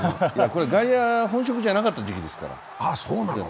これ外野、本職じゃなかった時期ですから。